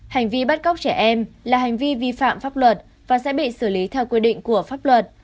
hành vi bắt cóc trẻ em là hành vi vi phạm pháp luật và sẽ bị xử lý theo quy định của pháp luật